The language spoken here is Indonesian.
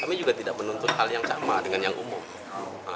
kami juga tidak menuntut hal yang sama dengan yang umum